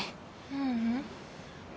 ううん。